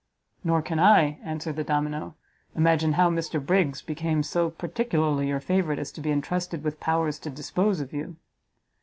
"Nor can I," answered the domino, "imagine how Mr Briggs became so particularly your favourite as to be entrusted with powers to dispose of you."